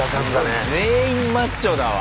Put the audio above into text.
すごい全員マッチョだわ。